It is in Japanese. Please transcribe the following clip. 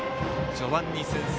序盤に先制。